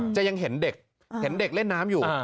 จะยังเห็นเด็กเห็นเด็กเล่นน้ำอยู่